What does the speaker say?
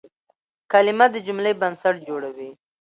کلیمه د جملې بنسټ جوړوي.